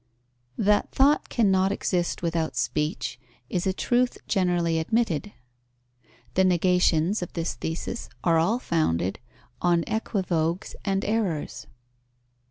_ That thought cannot exist without speech, is a truth generally admitted. The negations of this thesis are all founded on equivoques and errors.